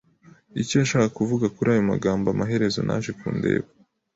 Icyo yashakaga kuvuga kuri ayo magambo amaherezo naje kundeba.